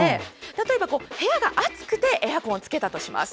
例えば、部屋が暑くてエアコンをつけたとします。